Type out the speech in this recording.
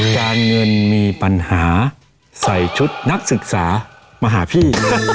การเงินมีปัญหาใส่ชุดนักศึกษามาหาพี่